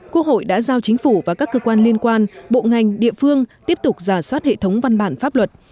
quốc hội đã giao chính phủ và các cơ quan liên quan bộ ngành địa phương tiếp tục giả soát hệ thống văn bản pháp luật